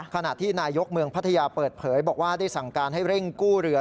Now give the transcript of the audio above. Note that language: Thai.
ขณะที่นายกเมืองพัทยาเปิดเผยบอกว่าได้สั่งการให้เร่งกู้เรือ